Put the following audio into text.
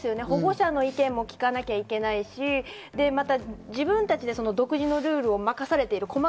保護者の意見も聞かなきゃいけないし、また自分たちで独自のルールを任されている。